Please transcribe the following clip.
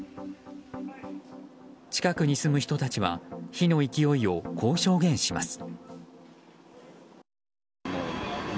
近くに住む人たちは火の勢いをこう証言します。